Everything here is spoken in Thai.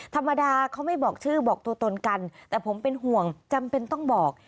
ธรรมดาเขาไม่บอกชื่อบอกตัวตนกันแต่ผมเป็นห่วงจำเป็นต้องบอก